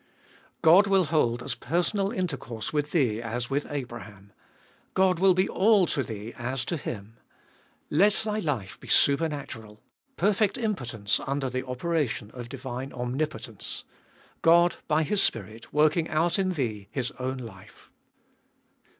2. God will hold as personal intercourse with thee as with Abraham. God will be all to thee as to him. Let thy life be supernatural ; perfect impotence under the operation of diuine omnipotence —Qod by His Spirit working out in thee His own life.